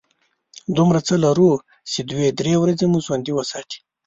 دومره څه لرو چې دوې – درې ورځې مو ژوندي وساتي.